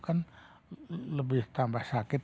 kan lebih tambah sakit